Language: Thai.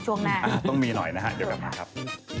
ช่วงหน้าต้องมีหน่อยนะฮะเดี๋ยวกลับมาครับ